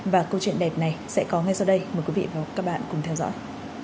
và câu chuyện đẹp này sẽ có ngay sau đây mời quý vị và các bạn cùng theo dõi